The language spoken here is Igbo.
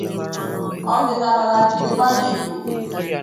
ọdịnala na njirimara Igbo